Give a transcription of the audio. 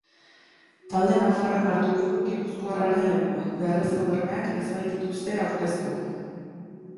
Talde nafarrak hartuko du gipuzkoarraren lekua, beharrezko bermeak ez baitituzte aurkeztu eibartarrek.